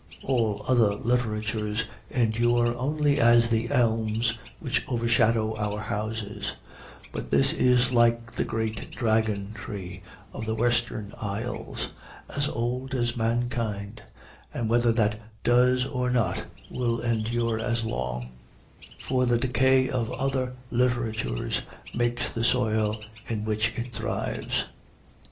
All other literatures endure only as the elms which overshadow our houses; but this is like the great dragon tree of the Western Isles, as old as mankind, and, whether that does or not, will endure as long; for the decay of other literatures makes the soil in which it thrives.